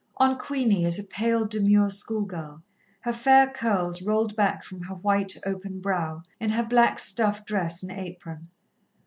On Queenie as a pale, demure schoolgirl, her fair curls rolled back from her white, open brow, in her black stuff dress and apron.